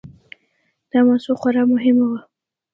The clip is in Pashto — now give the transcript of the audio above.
دا موضوع خورا مهمه وه.